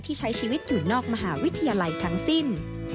ใช้ชีวิตอยู่นอกมหาวิทยาลัยทั้งสิ้น